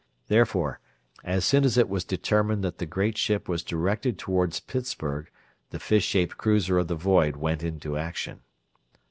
Therefore, as soon as it was determined that the great ship was being directed toward Pittsburgh the fish shaped cruiser of the void went into action.